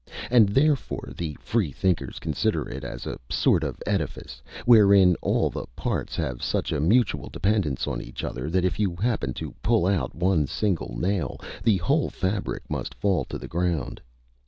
and therefore, the Freethinkers consider it as a sort of edifice, wherein all the parts have such a mutual dependence on each other, that if you happen to pull out one single nail, the whole fabric must fall to the ground.